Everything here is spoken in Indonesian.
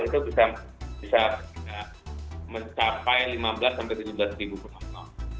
itu bisa mencapai lima belas sampai tujuh belas penonton